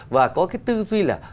và có cái tư duy là